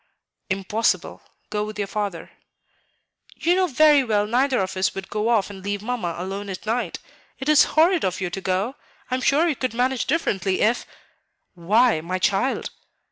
"Impossible. Go with your father." "You know very well neither of us would go off and leave Mamma alone at night. It is horrid of you to go. I am sure you could manage differently if " "Why, my child!"